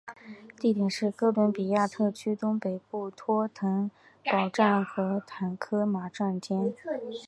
地点是哥伦比亚特区东北部托腾堡站和塔科马站间。